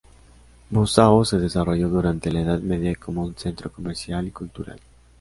Buzău se desarrolló durante la Edad Media como un centro comercial y cultural.